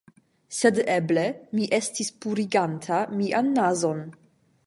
Sed eble mi estis puriganta mian nazon